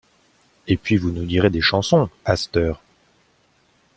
Et puis vous nous direz des chansons, à c't'heure!